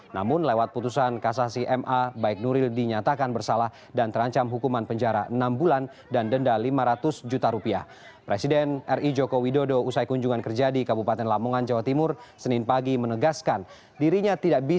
namun lewat putusan kasasi ma baik nuril dinyatakan bersalah dan terancam hukuman penjara